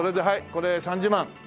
これ３０万。